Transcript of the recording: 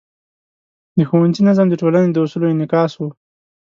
د ښوونځي نظم د ټولنې د اصولو انعکاس و.